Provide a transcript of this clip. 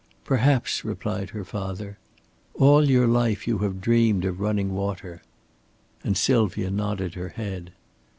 "Perhaps," replied her father. "All your life you have dreamed of running water." And Sylvia nodded her head.